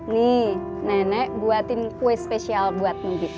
nih nenek buatin kue spesial buat mudik